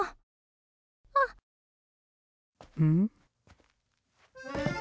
うん？